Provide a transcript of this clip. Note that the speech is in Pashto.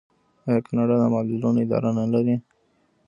آیا کاناډا د معلولینو اداره نلري؟